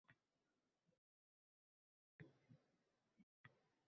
Farzandlik bo'ldim.